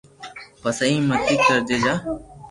پسي ايم متي ڪر تي جا